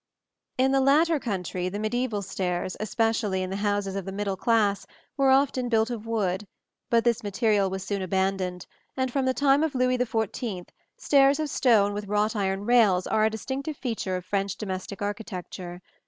] In the latter country the mediæval stairs, especially in the houses of the middle class, were often built of wood; but this material was soon abandoned, and from the time of Louis XIV stairs of stone with wrought iron rails are a distinctive feature of French domestic architecture.